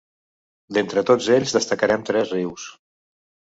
D'entre tots ells destacarem tres rius.